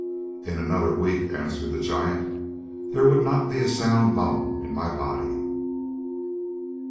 "In another week," answered the giant, "there would not be a sound bone in my body."